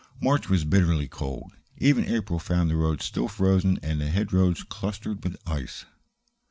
March was bitterly cold; even April found the roads still frozen and the hedgerows clustered with ice.